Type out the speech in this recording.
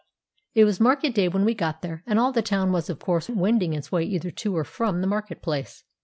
]It was market day when we got there, and all the town was of course wending its way either to or from the market place.